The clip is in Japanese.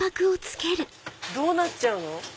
どうなっちゃうの？